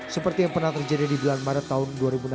seperti yang pernah terjadi di bulan maret tahun dua ribu enam belas